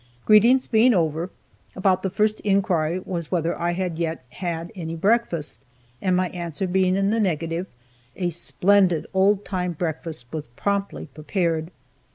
Greetings being over, about the first inquiry was whether I had yet had any breakfast, and my answer being in the negative, a splendid old time breakfast was promptly prepared.